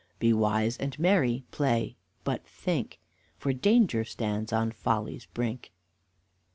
Be wise and merry; play, but think; For danger stands on folly's brink."